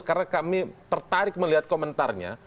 karena kami tertarik melihat komentarnya